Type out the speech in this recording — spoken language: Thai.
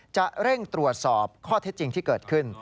จะเร่งตรวจสอบข้อเท็จจริงที่เกิดขึ้น